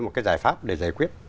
một cái giải pháp để giải quyết